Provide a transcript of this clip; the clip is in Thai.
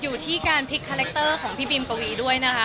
อยู่ที่การพลิกคาแรคเตอร์ของพี่บีมปวีด้วยนะคะ